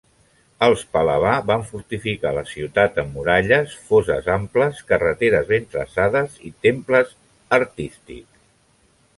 Els Pal·lava van fortificar la ciutat amb muralles, fosses amples, carreteres ben traçades i temples artístics.